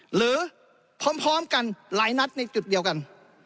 หรือพร้อมกันหลายนัดในจุดเดียวกัน